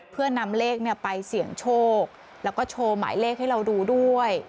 เพื่อนำเลขไปเสี่ยงโชคแล้วก็โชว์หมายเลขให้เราดูด้วย